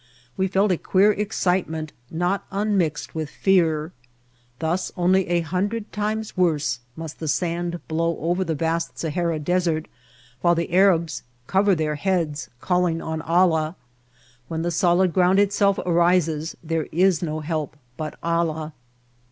We felt a queer excitement not unmixed with fear. Thus, only a hundred times worse, must the sand blow over the vast Sahara Desert while the Arabs cover their heads, calling on Allah. When the solid ground itself arises there is no help but Allah.